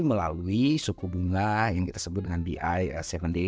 melalui suku bunga yang kita sebut dengan bi tujuh day